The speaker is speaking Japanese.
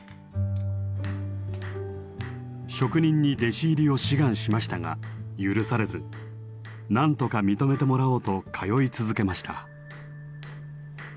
職人に弟子入りを志願しましたが許されずなんとか認めてもらおうと通い続けました。